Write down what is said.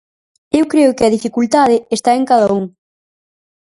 Eu creo que a dificultade está en cada un.